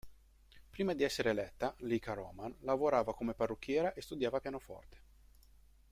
Prima di essere eletta, Lika Roman lavorava come parrucchiera e studiava pianoforte.